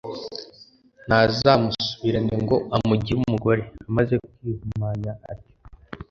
ntazamusubirane ngo amugire umugore, amaze kwihumanya atyo;